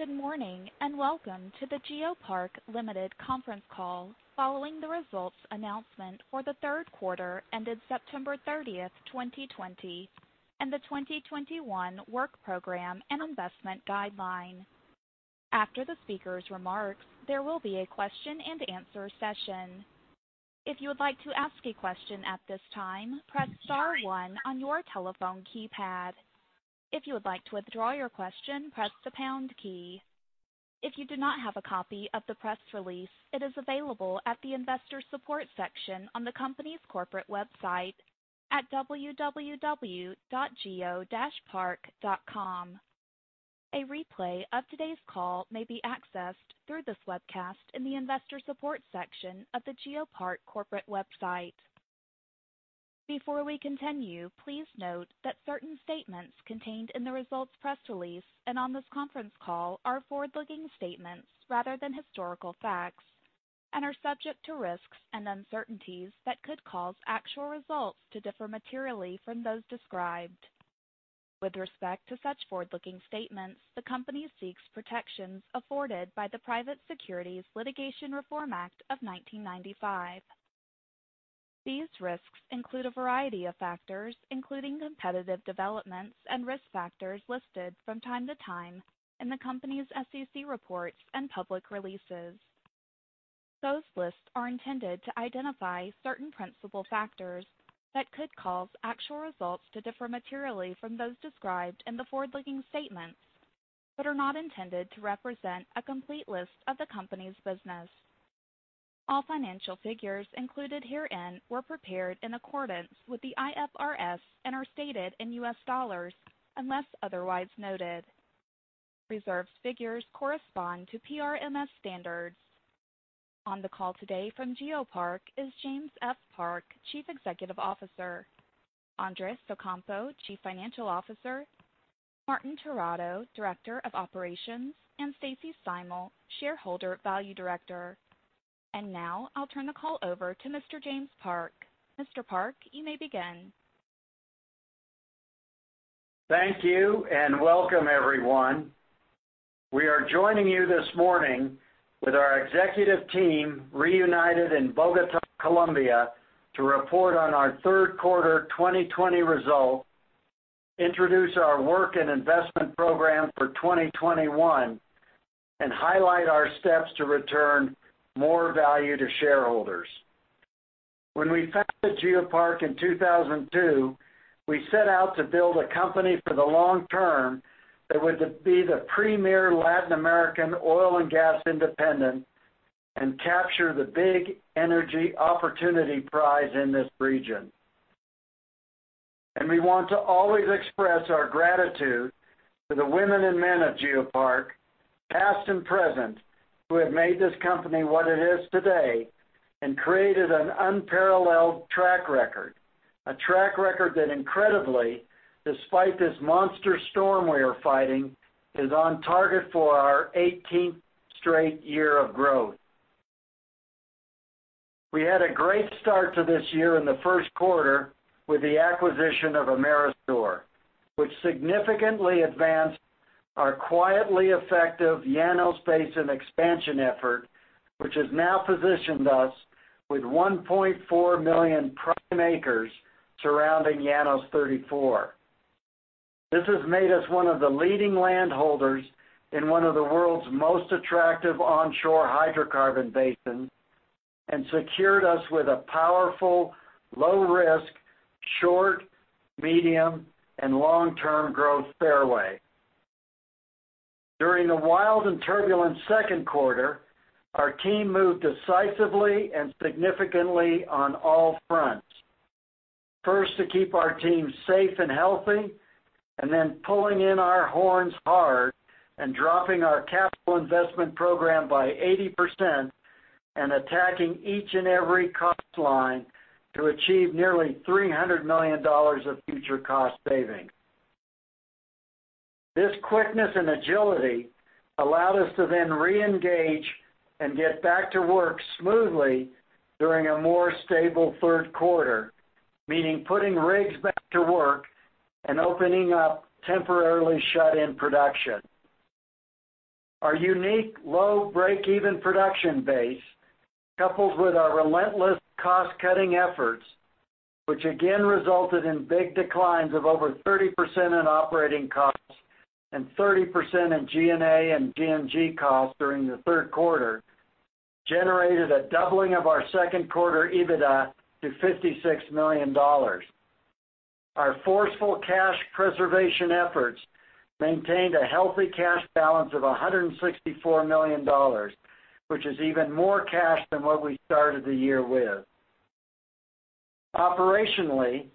Good morning, and welcome to the GeoPark Limited conference call, following the results announcement for the third quarter ending September 30th, 2020, and the 2021 work program and investment guideline. After the speaker's remarks, there will be a question and answer session. If you would like to ask a question at this time, press star one on your telephone keypad. If you would like to withdraw your question, press the pound key. If you do not have a copy of the press release, it is available at the investor support section on the company's corporate website at www.geo-park.com. A replay of today's call may be accessed through this webcast in the investor support section of the GeoPark corporate website. Before we continue, please note that certain statements contained in the results press release and on this conference call are forward-looking statements rather than historical facts, and are subject to risks and uncertainties that could cause actual results to differ materially from those described. With respect to such forward-looking statements, the company seeks protections afforded by the Private Securities Litigation Reform Act of 1995. These risks include a variety of factors, including competitive developments and risk factors listed from time to time in the company's SEC reports and public releases. Those lists are intended to identify certain principal factors that could cause actual results to differ materially from those described in the forward-looking statements but are not intended to represent a complete list of the company's business. All financial figures included herein were prepared in accordance with the IFRS and are stated in U.S. dollars, unless otherwise noted. Reserves figures correspond to PRMS standards. On the call today from GeoPark is James F. Park, Chief Executive Officer, Andres Ocampo, Chief Financial Officer, Martin Terrado, Director of Operations, and Stacy Steimel, Shareholder Value Director. Now I'll turn the call over to Mr. James Park. Mr. Park, you may begin. Thank you. Welcome, everyone. We are joining you this morning with our executive team reunited in Bogota, Colombia to report on our third quarter 2020 result, introduce our work and investment program for 2021, and highlight our steps to return more value to shareholders. When we founded GeoPark in 2002, we set out to build a company for the long term that would be the premier Latin American oil and gas independent and capture the big energy opportunity prize in this region. We want to always express our gratitude to the women and men of GeoPark, past and present, who have made this company what it is today and created an unparalleled track record. A track record that incredibly, despite this monster storm we are fighting, is on target for our 18th straight year of growth. We had a great start to this year in the first quarter with the acquisition of Amerisur, which significantly advanced our quietly effective Llanos basin expansion effort, which has now positioned us with 1.4 million prime acres surrounding Llanos 34. This has made us one of the leading landholders in one of the world's most attractive onshore hydrocarbon basins and secured us with a powerful, low risk, short, medium, and long-term growth fairway. During the wild and turbulent second quarter, our team moved decisively and significantly on all fronts. First, to keep our team safe and healthy, and then pulling in our horns hard and dropping our capital investment program by 80% and attacking each and every cost line to achieve nearly $300 million of future cost savings. This quickness and agility allowed us to then re-engage and get back to work smoothly during a more stable third quarter, meaning putting rigs back to work and opening up temporarily shut-in production. Our unique low breakeven production base, coupled with our relentless cost-cutting efforts, which again resulted in big declines of over 30% in operating costs and 30% in G&A and G&G costs during the third quarter, generated a doubling of our second quarter EBITDA to $56 million. Our forceful cash preservation efforts maintained a healthy cash balance of $164 million, which is even more cash than what we started the year with. Operationally,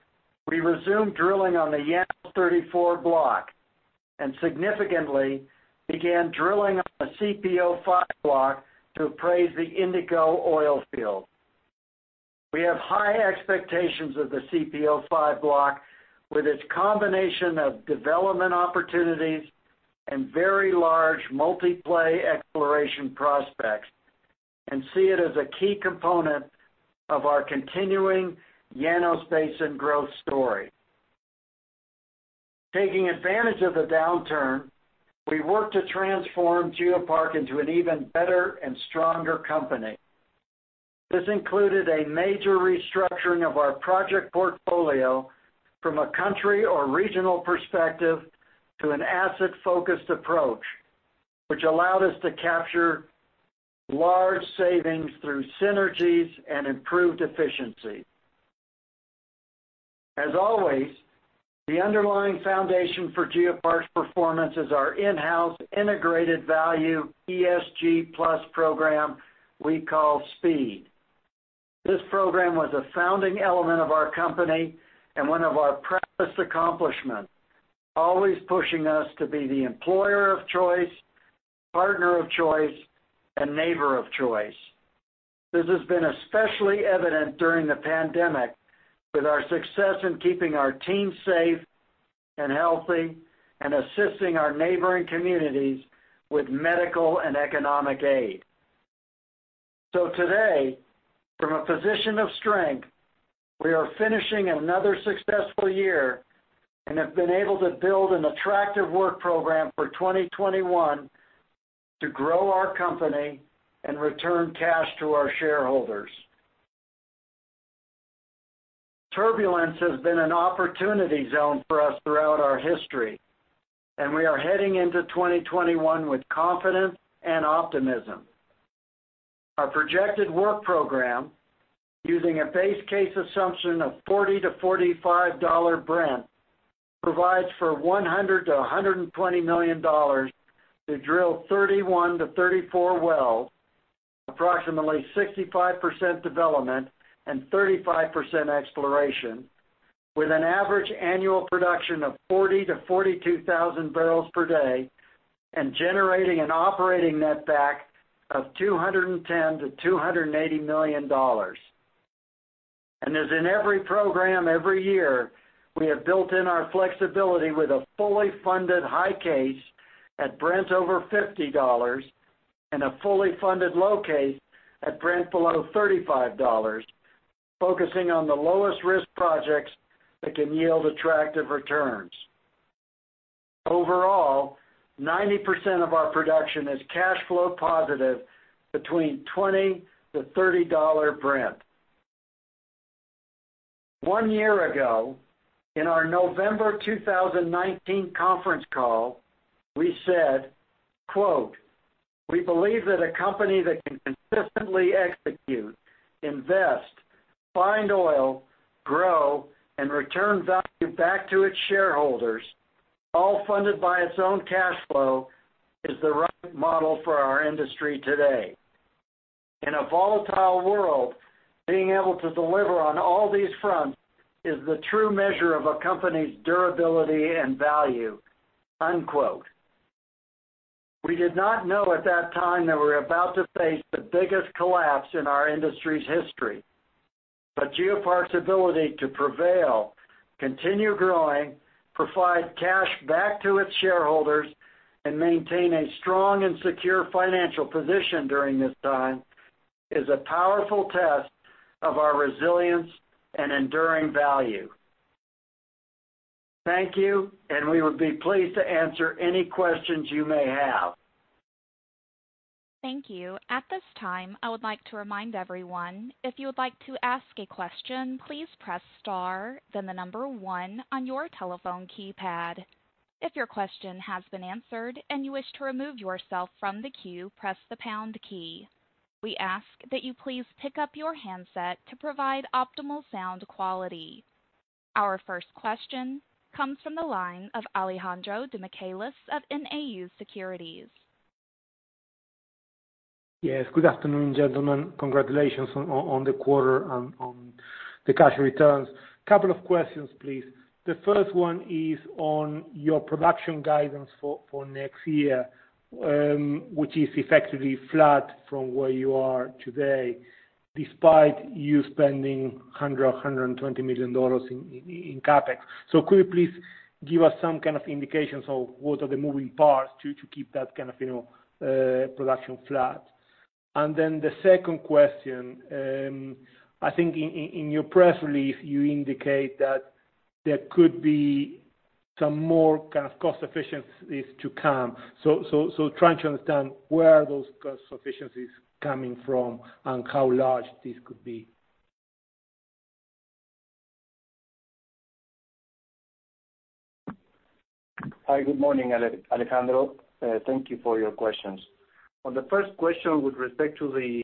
we resumed drilling on the Llanos 34 block and significantly began drilling on the CPO-5 block to appraise the Indico oil field. We have high expectations of the CPO-5 block with its combination of development opportunities and very large multi-play exploration prospects. See it as a key component of our continuing Llanos basin growth story. Taking advantage of the downturn, we worked to transform GeoPark into an even better and stronger company. This included a major restructuring of our project portfolio from a country or regional perspective to an asset-focused approach, which allowed us to capture large savings through synergies and improved efficiency. As always, the underlying foundation for GeoPark's performance is our in-house integrated value ESG+ program we call SPEED. This program was a founding element of our company and one of our proudest accomplishments, always pushing us to be the employer of choice, partner of choice, and neighbor of choice. This has been especially evident during the pandemic with our success in keeping our team safe and healthy and assisting our neighboring communities with medical and economic aid. Today, from a position of strength, we are finishing another successful year and have been able to build an attractive work program for 2021 to grow our company and return cash to our shareholders. Turbulence has been an opportunity zone for us throughout our history, and we are heading into 2021 with confidence and optimism. Our projected work program, using a base case assumption of $40-$45 Brent, provides for $100 million-$120 million to drill 31-34 wells, approximately 65% development and 35% exploration, with an average annual production of 40,000-42,000 barrels per day and generating an operating netback of $210 million-$280 million. As in every program every year, we have built in our flexibility with a fully funded high case at Brent over $50 and a fully funded low case at Brent below $35, focusing on the lowest-risk projects that can yield attractive returns. Overall, 90% of our production is cash flow positive between $20-$30 Brent. One year ago, in our November 2019 conference call, we said, quote, "We believe that a company that can consistently execute, invest, find oil, grow, and return value back to its shareholders, all funded by its own cash flow, is the right model for our industry today. In a volatile world, being able to deliver on all these fronts is the true measure of a company's durability and value." Unquote. We did not know at that time that we were about to face the biggest collapse in our industry's history. GeoPark's ability to prevail, continue growing, provide cash back to its shareholders, and maintain a strong and secure financial position during this time is a powerful test of our resilience and enduring value. Thank you, and we would be pleased to answer any questions you may have. Thank you. At this time, I would like to remind everyone, if you would like to ask a question, please press star, then the number one on your telephone keypad. If your question has been answered and you wish to remove yourself from the queue, press the pound key. We ask that you please pick up your handset to provide optimal sound quality. Our first question comes from the line of Alejandro Demichelis of Nau Securities. Yes. Good afternoon, gentlemen. Congratulations on the quarter and on the cash returns. Couple of questions, please. The first one is on your production guidance for next year, which is effectively flat from where you are today, despite you spending $100 million or $120 million in CapEx. Could you please give us some kind of indications of what are the moving parts to keep that kind of production flat? The second question, I think in your press release, you indicate that there could be some more cost efficiencies to come. Trying to understand where are those cost efficiencies coming from and how large this could be? Hi. Good morning, Alejandro. Thank you for your questions. On the first question with respect to the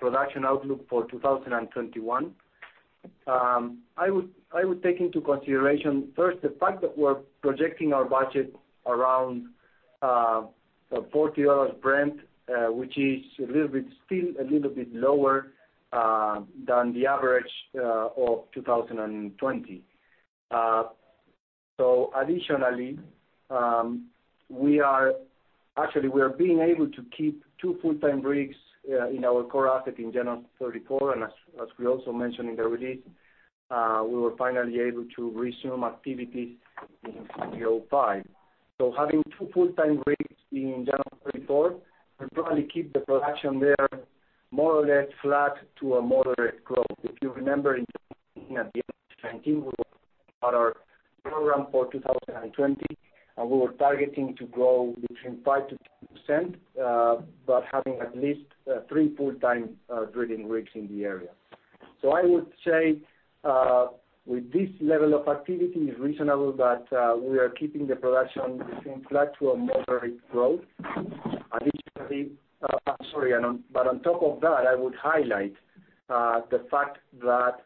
production outlook for 2021, I would take into consideration first the fact that we're projecting our budget around $40 Brent, which is still a little bit lower than the average of 2020. Additionally, actually, we are being able to keep two full-time rigs in our core asset in Llanos 34, and as we also mentioned in the release, we were finally able to resume activities in CPO-5. Having two full-time rigs in Llanos 34 will probably keep the production there more or less flat to a moderate growth. If you remember in 2019, at the end of 2019, we looked at our program for 2020, and we were targeting to grow between 5%-10%, but having at least three full-time drilling rigs in the area. I would say, with this level of activity, it's reasonable that we are keeping the production between flat to a moderate growth. On top of that, I would highlight the fact that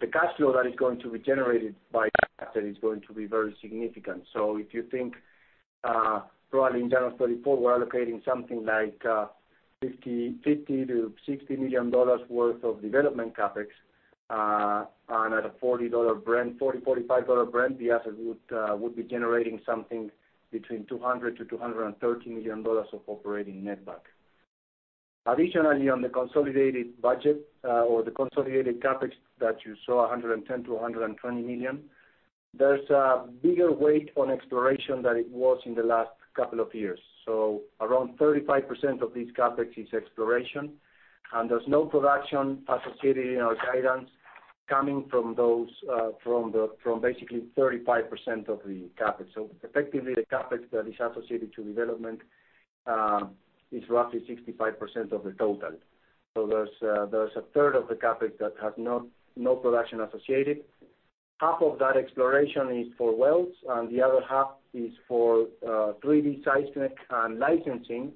the cash flow that is going to be generated by that is going to be very significant. If you think, probably in Llanos-34, we're allocating something like $50 million-$60 million worth of development CapEx, and at a $40-$45 Brent, the asset would be generating something between $200 million-$230 million of operating netback. Additionally, on the consolidated budget or the consolidated CapEx that you saw, $110 million-$120 million, there's a bigger weight on exploration than it was in the last couple of years. Around 35% of this CapEx is exploration, and there's no production associated in our guidance coming from basically 35% of the CapEx. Effectively, the CapEx that is associated to development is roughly 65% of the total. There's a third of the CapEx that has no production associated. Half of that exploration is for wells, and the other half is for 3D seismic and licensing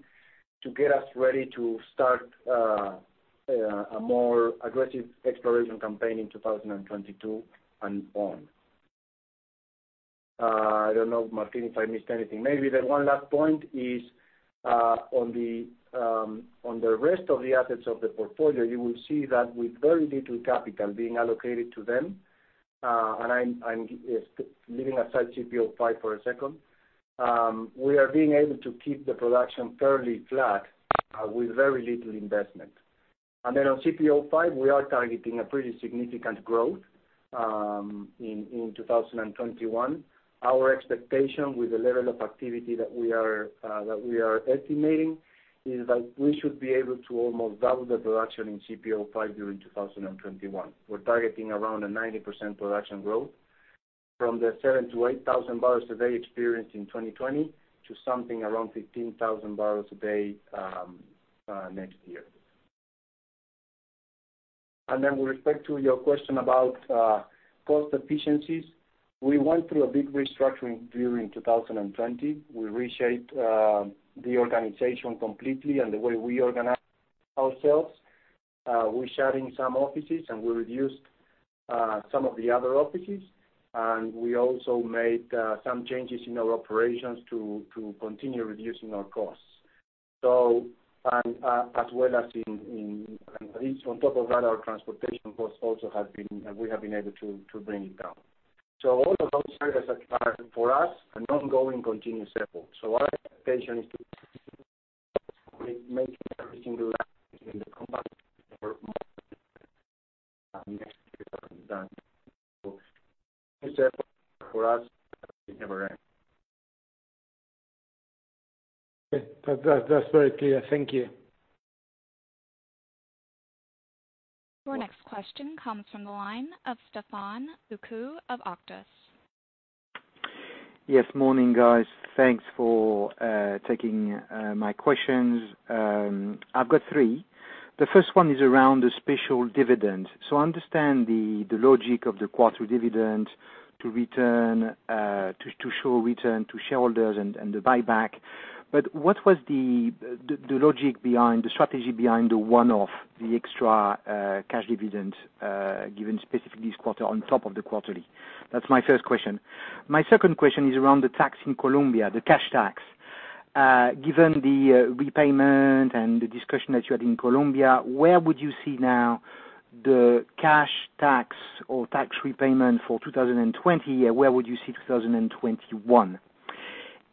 to get us ready to start a more aggressive exploration campaign in 2022 and on. I don't know, Martin, if I missed anything. Maybe the one last point is, on the rest of the assets of the portfolio, you will see that with very little capital being allocated to them, and I'm leaving aside CPO-5 for a second. We are being able to keep the production fairly flat with very little investment. On CPO-5, we are targeting a pretty significant growth in 2021. Our expectation with the level of activity that we are estimating is that we should be able to almost double the production in CPO-5 during 2021. We're targeting around a 90% production growth from the 7,000 to 8,000 barrels a day experienced in 2020 to something around 15,000 barrels a day next year. With respect to your question about cost efficiencies, we went through a big restructuring during 2020. We reshaped the organization completely and the way we organize ourselves. We shut in some offices, and we reduced some of the other offices, and we also made some changes in our operations to continue reducing our costs. On top of that, our transportation costs also have been able to bring it down. All of those areas are, for us, an ongoing continuous effort. Our expectation is to keep making every single in the company more next year than we've done. For us, it never ends. Okay. That's very clear. Thank you. Your next question comes from the line of [Stephane Toupin of Octus]. Yes. Morning, guys. Thanks for taking my questions. I've got three. The first one is around the special dividend. I understand the logic of the quarter dividend to show return to shareholders and the buyback. What was the logic behind, the strategy behind the one-off, the extra cash dividend given specifically this quarter on top of the quarterly? That's my first question. My second question is around the tax in Colombia, the cash tax. Given the repayment and the discussion that you had in Colombia, where would you see now the cash tax or tax repayment for 2020? Where would you see 2021?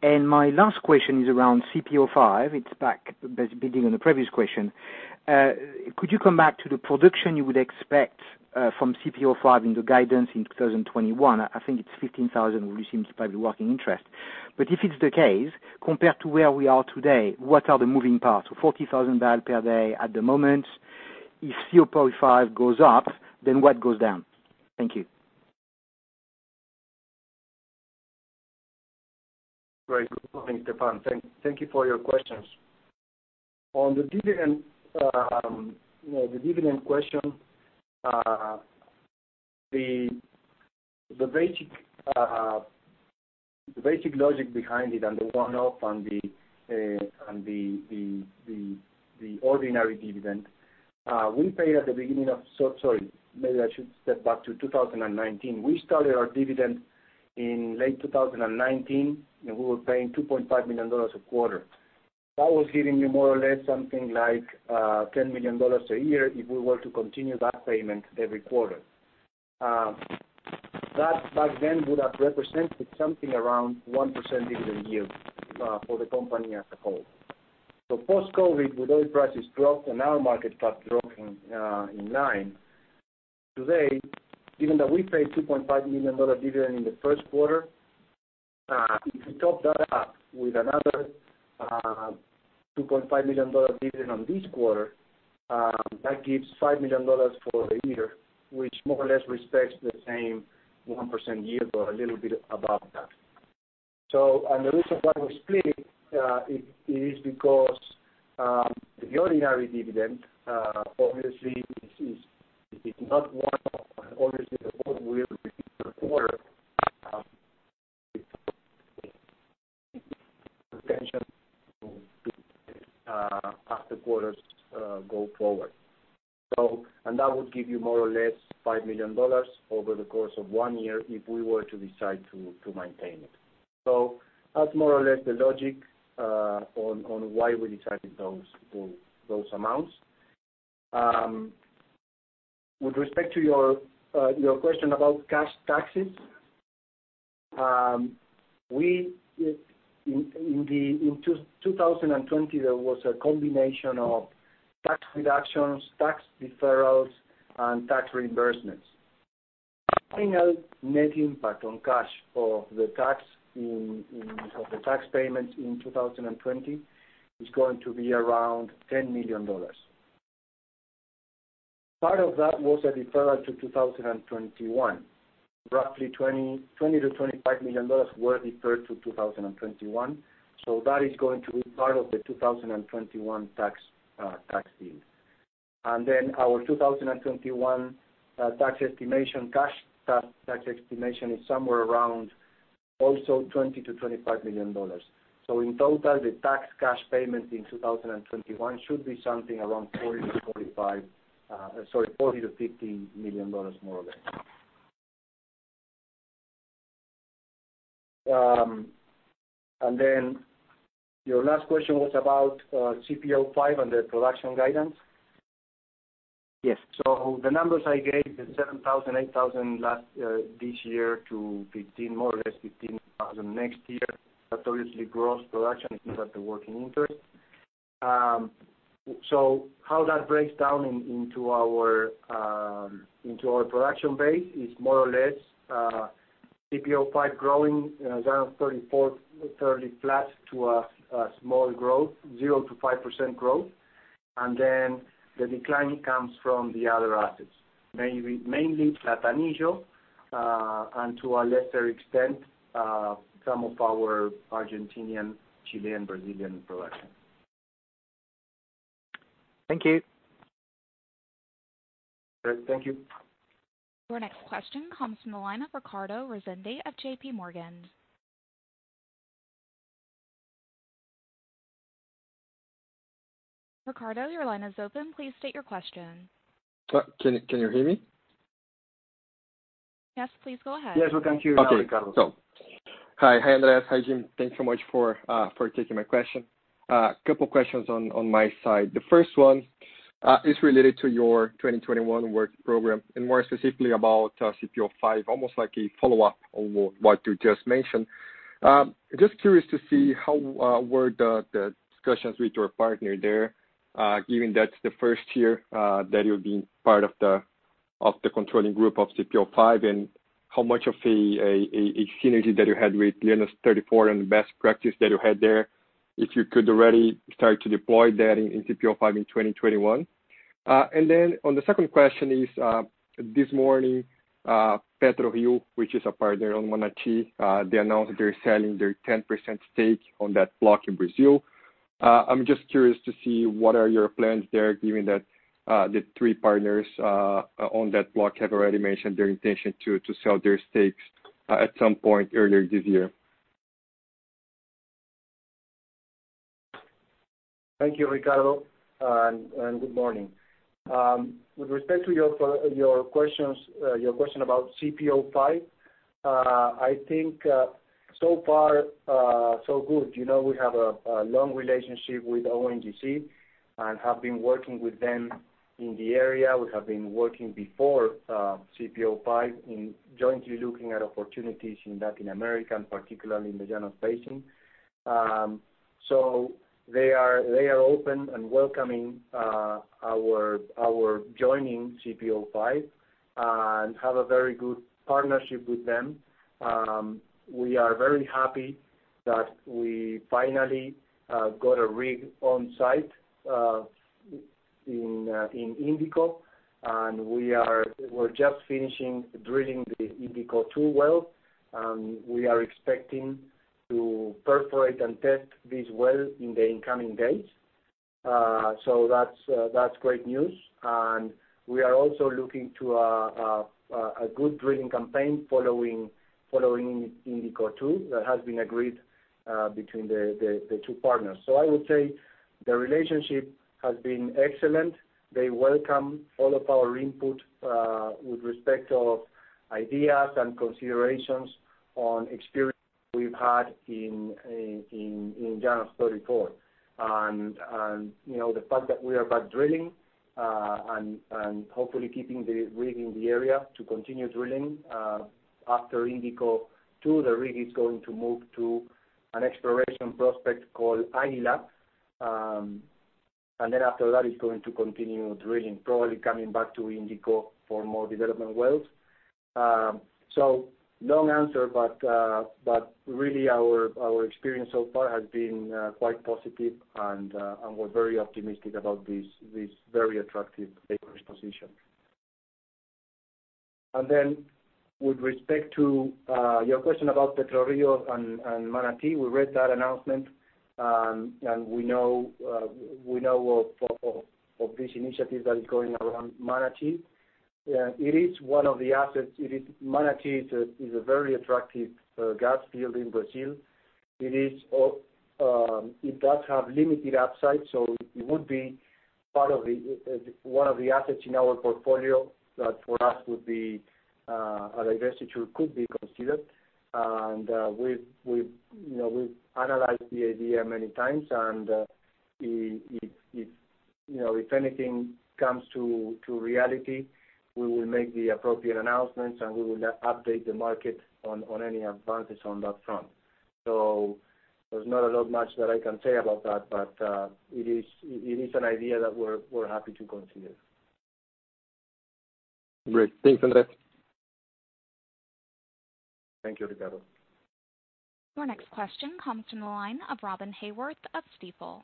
My last question is around CPO-5. It's back, building on the previous question. Could you come back to the production you would expect from CPO-5 in the guidance in 2021? I think it's 15,000. It would seem to be the working interest. If it's the case, compared to where we are today, what are the moving parts? 40,000 barrel per day at the moment. If CPO-5 goes up, what goes down? Thank you. Great. Good morning, Stephane. Thank you for your questions. On the dividend question, the basic logic behind it and the one-off and the ordinary dividend. Maybe I should step back to 2019. We started our dividend in late 2019. We were paying $2.5 million a quarter. That was giving me more or less something like $10 million a year if we were to continue that payment every quarter. That, back then, would have represented something around 1% dividend yield for the company as a whole. Post-COVID, with oil prices dropped and our market cap dropped in line. Today, given that we paid $2.5 million dividend in the first quarter, if you top that up with another $2.5 million dividend on this quarter, that gives $5 million for the year, which more or less respects the same 1% yield or a little bit above that. The reason why we split is because the ordinary dividend obviously is not one-off. Obviously, the board will review per quarter its intention to do this as the quarters go forward. That would give you more or less $5 million over the course of one year if we were to decide to maintain it. That's more or less the logic on why we decided those amounts. With respect to your question about cash taxes, in 2020, there was a combination of tax reductions, tax deferrals, and tax reimbursements. The final net impact on cash of the tax payments in 2020 is going to be around $10 million. Part of that was a deferral to 2021. Roughly $20 million-$25 million were deferred to 2021. That is going to be part of the 2021 tax bill. Our 2021 tax estimation, cash tax estimation, is somewhere around also $20 million-$25 million. In total, the tax cash payment in 2021 should be something around $40 million-$50 million, more or less. Your last question was about CPO-5 and the production guidance. Yes. The numbers I gave, the 7,000, 8,000 this year to more or less 15,000 next year. That's obviously gross production, it is at the working interest. How that breaks down into our production base is more or less CPO-5 growing Llanos 34 fairly flat to a small growth, 0%-5% growth. The decline comes from the other assets, mainly Platanillo, and to a lesser extent, some of our Argentinian, Chilean, Brazilian production. Thank you. Great. Thank you. Your next question comes from the line of Ricardo Rezende of JP Morgan. Ricardo, your line is open. Please state your question. Can you hear me? Yes, please go ahead. Yes, we can hear you now, Ricardo. Okay. Hi Andres, hi Jim. Thanks so much for taking my question. Couple questions on my side. The first one is related to your 2021 work program, and more specifically about CPO-5, almost like a follow-up on what you just mentioned. Just curious to see how were the discussions with your partner there, given that's the first year that you're being part of the controlling group of CPO-5. How much of a synergy that you had with Llanos 34 and the best practice that you had there, if you could already start to deploy that in CPO-5 in 2021? On the second question is, this morning, PetroRio, which is a partner on Manati, they announced that they're selling their 10% stake on that block in Brazil. I'm just curious to see what are your plans there, given that the three partners on that block have already mentioned their intention to sell their stakes at some point earlier this year. Thank you, Ricardo, and good morning. With respect to your question about CPO-5, I think so far so good. We have a long relationship with ONGC and have been working with them in the area. We have been working before CPO-5 in jointly looking at opportunities in Latin America, and particularly in the Llanos basin. They are open and welcoming our joining CPO-5, and have a very good partnership with them. We are very happy that we finally got a rig on site in Indico, and we're just finishing drilling the Indico 2 well. We are expecting to perforate and test this well in the incoming days. That's great news. We are also looking to a good drilling campaign following Indico 2 that has been agreed between the two partners. I would say the relationship has been excellent. They welcome all of our input with respect of ideas and considerations on experience we've had in Llanos 34. The fact that we are back drilling, and hopefully keeping the rig in the area to continue drilling. After Indico 2, the rig is going to move to an exploration prospect called Aguila. After that, it's going to continue drilling, probably coming back to Indico for more development wells. Long answer, but really our experience so far has been quite positive, and we're very optimistic about this very attractive acreage position. With respect to your question about PetroRio and Manati, we read that announcement, and we know of this initiative that is going around Manati. It is one of the assets. Manati is a very attractive gas field in Brazil. It does have limited upside, so it would be one of the assets in our portfolio that for us would be a divestiture could be considered. We've analyzed the idea many times, and if anything comes to reality, we will make the appropriate announcements, and we will update the market on any advances on that front. There's not a lot much that I can say about that, but it is an idea that we're happy to consider. Great. Thanks, Andres. Thank you, Ricardo. Your next question comes from the line of Robin Haworth of Stifel.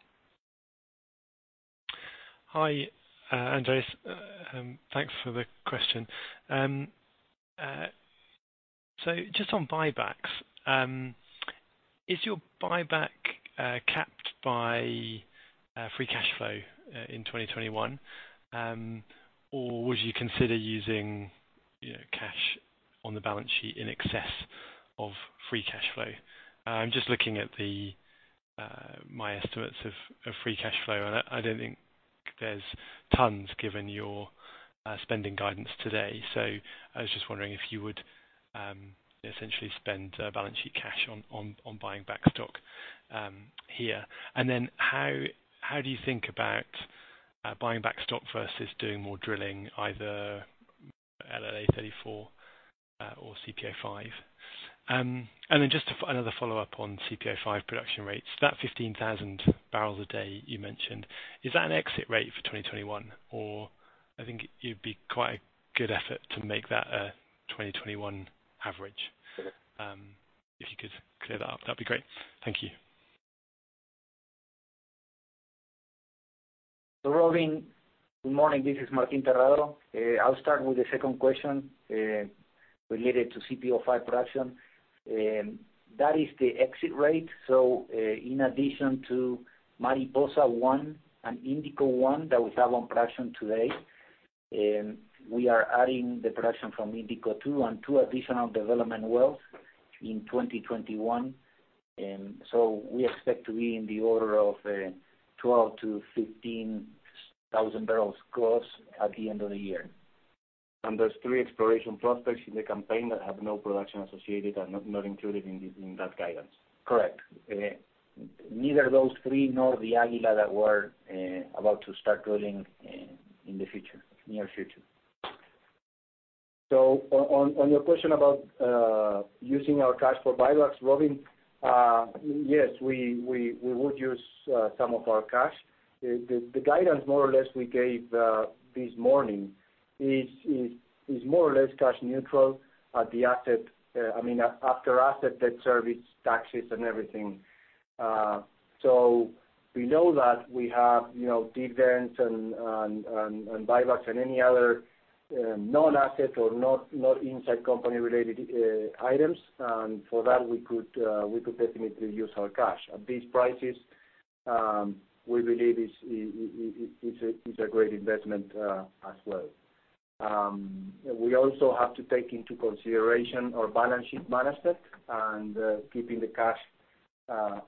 Hi, Andres. Thanks for the question. Just on buybacks. Is your buyback capped by free cash flow in 2021? Or would you consider using cash on the balance sheet in excess of free cash flow? I'm just looking at my estimates of free cash flow, and I don't think there's tons given your spending guidance today. I was just wondering if you would essentially spend balance sheet cash on buying back stock here. How do you think about buying back stock versus doing more drilling, either LLA-34 or CPO-5? Just another follow-up on CPO-5 production rates. That 15,000 barrels a day you mentioned, is that an exit rate for 2021? Or I think it'd be quite a good effort to make that a 2021 average. If you could clear that up, that'd be great. Thank you. Robin, good morning. This is Martin Terrado. I'll start with the second question related to CPO-5 production. That is the exit rate. In addition to Mariposa-1 and Indico-1 that we have on production today, we are adding the production from Indico-2 and two additional development wells in 2021. We expect to be in the order of 12,000-15,000 barrels gross at the end of the year. There's three exploration prospects in the campaign that have no production associated and not included in that guidance. Correct. Neither of those three nor the Aguila that we're about to start drilling in the near future. On your question about using our cash for buybacks, Robin, yes, we would use some of our cash. The guidance more or less we gave this morning is more or less cash neutral after asset debt service, taxes, and everything. We know that we have dividends and buybacks and any other non-asset or not inside company-related items. For that, we could definitely use our cash. At these prices, we believe it's a great investment as well. We also have to take into consideration our balance sheet mindset, and keeping the cash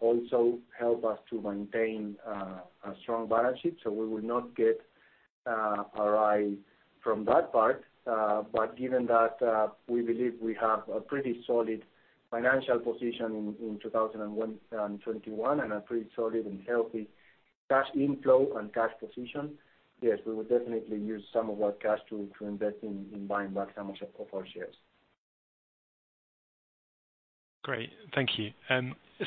also help us to maintain a strong balance sheet. We will not get a ride from that part. Given that we believe we have a pretty solid financial position in 2021 and a pretty solid and healthy cash inflow and cash position, yes, we would definitely use some of our cash to invest in buying back some of our shares. Great. Thank you.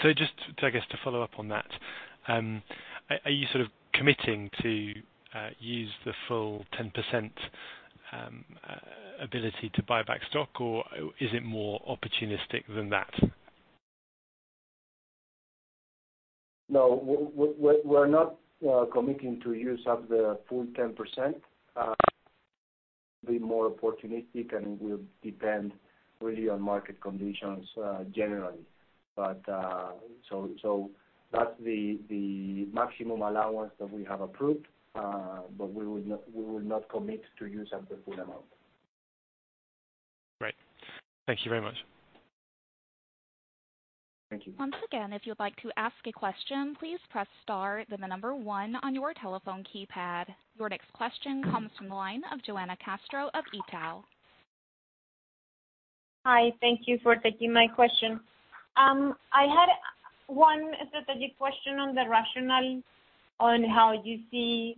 Just to, I guess, to follow up on that, are you committing to use the full 10% ability to buy back stock, or is it more opportunistic than that? No, we're not committing to use up the full 10%. Be more opportunistic, and will depend really on market conditions generally. That's the maximum allowance that we have approved, but we will not commit to use up the full amount. Great. Thank you very much. Thank you. Once again, if you'd like to ask a question, please press star, then the number one on your telephone keypad. Your next question comes from the line of Johanna Castro of Itaú. Hi. Thank you for taking my question. I had one strategic question on the rationale on how you see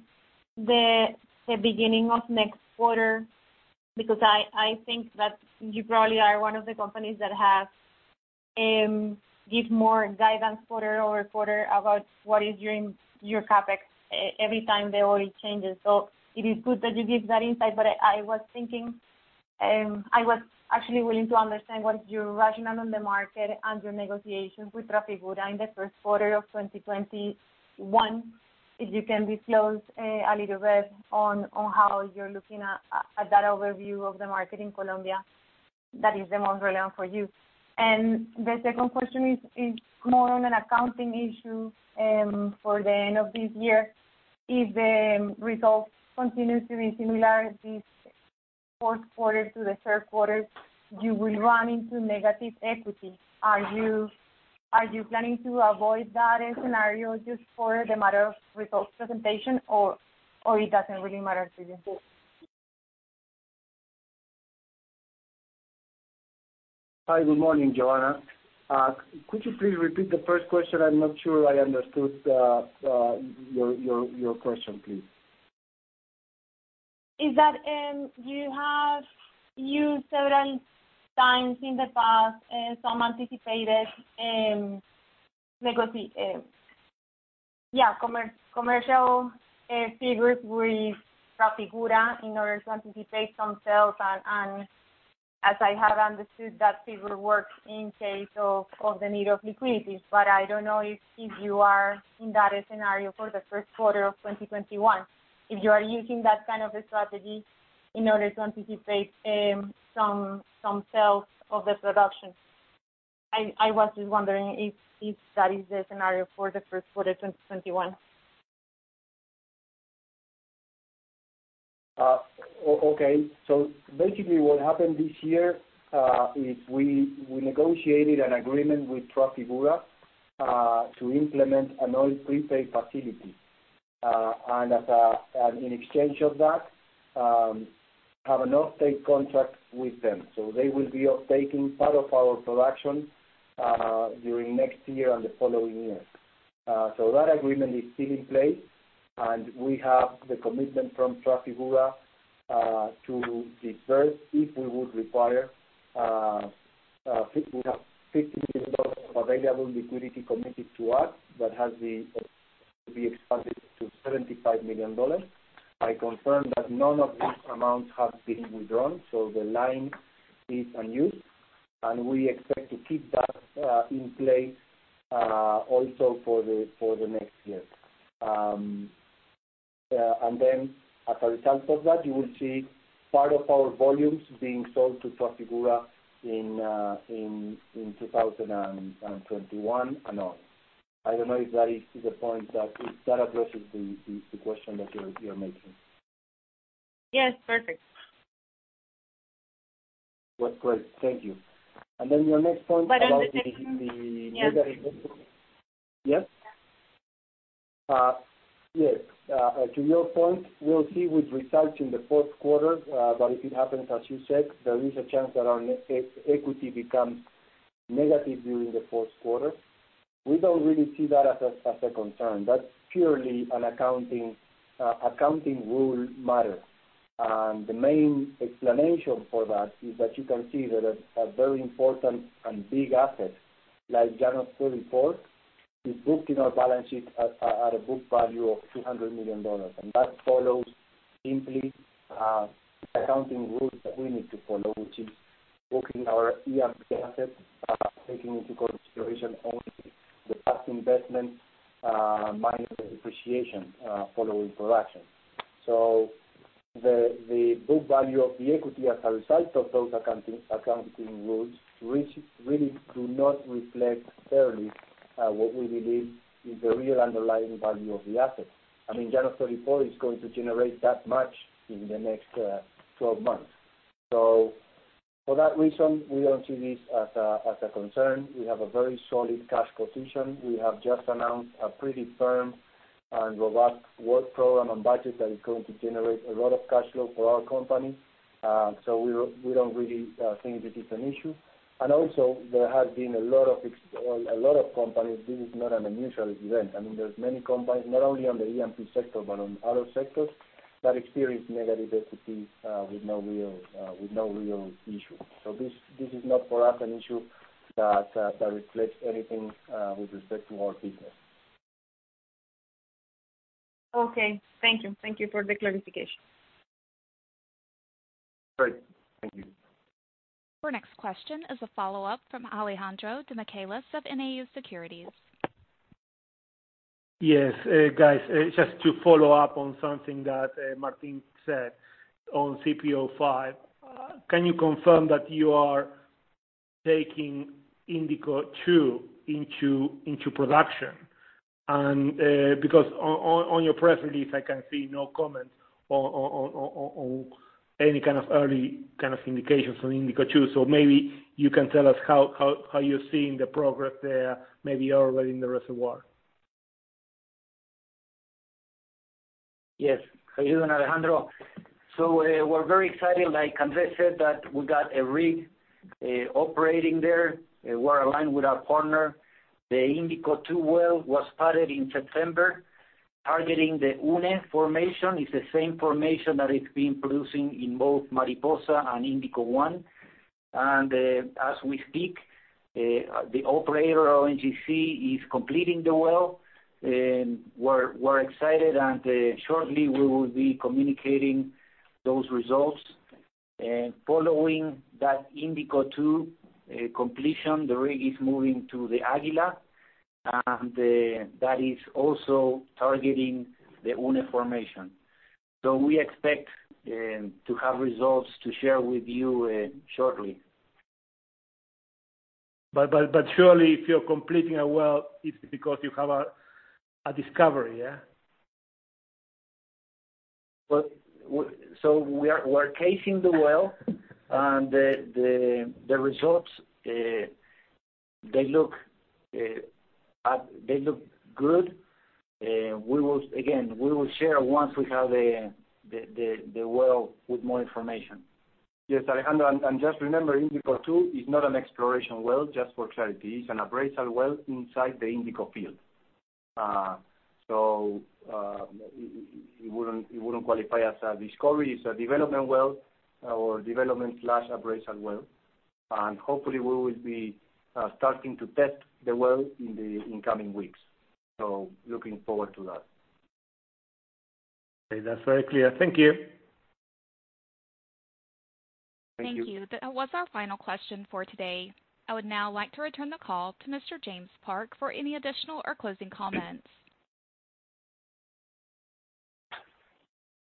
the beginning of next quarter. I think that you probably are one of the companies that give more guidance quarter-over-quarter about what is your CapEx every time there are changes. It is good that you give that insight. I was actually willing to understand what your rationale on the market and your negotiation with Trafigura in the first quarter of 2021, if you can be close, a little bit, on how you're looking at that overview of the market in Colombia that is the most relevant for you. The second question is more on an accounting issue for the end of this year. If the results continue to be similar this fourth quarter to the third quarter, you will run into negative equity. Are you planning to avoid that scenario just for the matter of results presentation, or it doesn't really matter to you? Hi. Good morning, Johanna. Could you please repeat the first question? I'm not sure I understood your question, please. You have used several times in the past, some anticipated commercial figures with Trafigura in order to anticipate some sales. As I have understood, that figure works in case of the need of liquidities. I don't know if you are in that scenario for the first quarter of 2021. If you are using that kind of a strategy in order to anticipate some sales of the production. I was just wondering if that is the scenario for the first quarter 2021. Okay. Basically what happened this year, is we negotiated an agreement with Trafigura, to implement an oil prepaid facility. In exchange of that, have an offtake contract with them. They will be off-taking part of our production during next year and the following year. That agreement is still in place, and we have the commitment from Trafigura to disperse if we would require. We have $50 million of available liquidity committed to us that has to be expanded to $75 million. I confirm that none of these amounts have been withdrawn, so the line is unused, and we expect to keep that in place also for the next year. As a result of that, you will see part of our volumes being sold to Trafigura in 2021 and on. I don't know if that addresses the question that you're making. Yes. Perfect. Well, great. Thank you. your next point. But on the second- The negative. Yes. Yes? Yes. Yes. To your point, we'll see with results in the fourth quarter. If it happens, as you said, there is a chance that our equity becomes negative during the fourth quarter. We don't really see that as a concern. That's purely an accounting rule matter. The main explanation for that is that you can see that a very important and big asset like Llanos 34 is booked in our balance sheet at a book value of $200 million. That follows simply accounting rules that we need to follow, which is booking our E&P assets, taking into consideration only the past investment minus the depreciation following production. The book value of the equity as a result of those accounting rules, which really do not reflect fairly what we believe is the real underlying value of the asset. I mean, Llanos 34 is going to generate that much in the next 12 months. For that reason, we don't see this as a concern. We have a very solid cash position. We have just announced a pretty firm and robust work program and budget that is going to generate a lot of cash flow for our company. We don't really think this is an issue. Also, there have been a lot of companies, this is not an unusual event. There's many companies, not only on the E&P sector, but on other sectors that experience negative equities with no real issue. This is not for us an issue that reflects anything with respect to our business. Okay. Thank you. Thank you for the clarification. Great. Thank you. Our next question is a follow-up from Alejandro Demichelis of Nau Securities. Yes. Guys, just to follow up on something that Martin said on CPO-5. Can you confirm that you are taking Indico 2 into production? On your press release, I can see no comment on any kind of early indications on Indico 2. Maybe you can tell us how you're seeing the progress there, maybe already in the reservoir. Yes. How you doing, Alejandro? We're very excited, like Andres said, that we got a rig. Operating there. We're aligned with our partner. The Indico 2 well was started in September, targeting the Une Formation. It's the same Formation that it's been producing in both Mariposa and Indico 1. As we speak, the operator, ONGC, is completing the well. We're excited, shortly we will be communicating those results. Following that Indico 2 completion, the rig is moving to the Aguila. That is also targeting the Une Formation. We expect to have results to share with you shortly. Surely if you're completing a well, it's because you have a discovery, yeah? We are casing the well and the results, they look good. We will share once we have the well with more information. Yes, Alejandro, just remember, Indico 2 is not an exploration well, just for clarity. It's an appraisal well inside the Indico field. It wouldn't qualify as a discovery. It's a development well or development/appraisal well. Hopefully we will be starting to test the well in the coming weeks. Looking forward to that. Okay. That's very clear. Thank you. Thank you. That was our final question for today. I would now like to return the call to Mr. James Park for any additional or closing comments.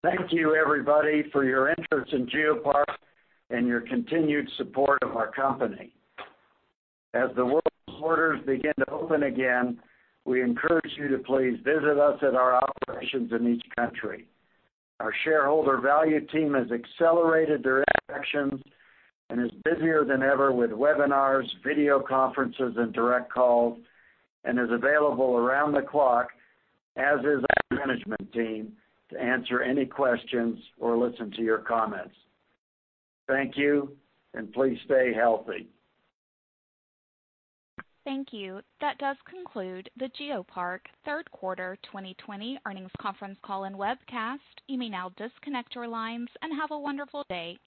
Thank you, everybody, for your interest in GeoPark and your continued support of our company. As the world's borders begin to open again, we encourage you to please visit us at our operations in each country. Our shareholder value team has accelerated their actions and is busier than ever with webinars, video conferences, and direct calls, and is available around the clock, as is our management team, to answer any questions or listen to your comments. Thank you, and please stay healthy. Thank you. That does conclude the GeoPark Third Quarter 2020 earnings conference call and webcast. You may now disconnect your lines and have a wonderful day.